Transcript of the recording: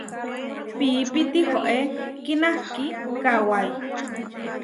Piipi tihoé kinahkí kawái.